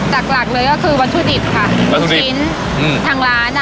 จักรหลักเลยก็คือมันทุดิสค่ะมันทุดิสอืมชิ้นอืมทางร้านอ่ะ